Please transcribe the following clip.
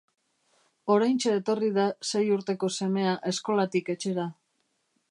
Oraintxe etorri da sei urteko semea eskolatik etxera.